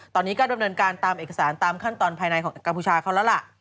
ตอนนี้ก็ดำเนินการตามเอกสารตามขั้นตอนภายในของกัมพูชาเขาแล้วล่ะ